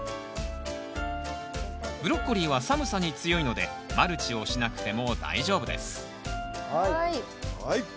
ブロッコリーは寒さに強いのでマルチをしなくても大丈夫ですはい。